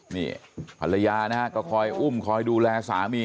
นี่ภรรยานะฮะก็คอยอุ้มคอยดูแลสามี